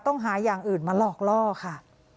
ต้องหาอย่างอื่นมาหลอกล่อค่ะ